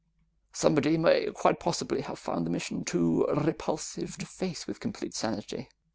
Somebody may quite possibly have found the mission too repulsive to face with complete sanity."